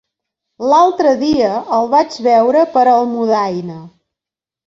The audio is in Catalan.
L'altre dia el vaig veure per Almudaina.